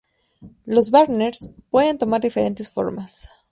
Los banners pueden tomar diferentes formas.